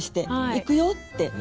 「行くよ」って。